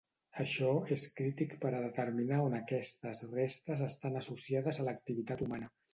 Això és crític per a determinar on aquestes restes estan associades a l'activitat humana.